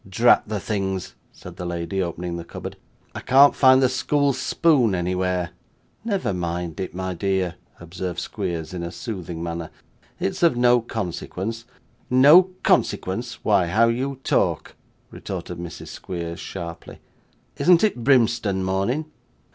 'Drat the things,' said the lady, opening the cupboard; 'I can't find the school spoon anywhere.' 'Never mind it, my dear,' observed Squeers in a soothing manner; 'it's of no consequence.' 'No consequence, why how you talk!' retorted Mrs. Squeers sharply; 'isn't it brimstone morning?